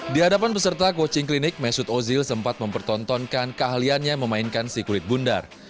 di hadapan peserta coaching klinik mesut ozil sempat mempertontonkan keahliannya memainkan si kulit bundar